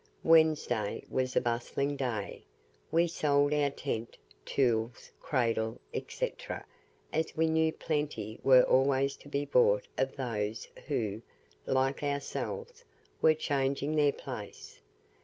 Wednesday was a bustling day. We sold our tent, tools, cradle, &c., as we knew plenty were always to be bought of those who, like ourselves, were changing their place.